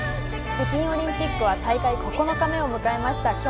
北京オリンピックは大会９日目を迎えました。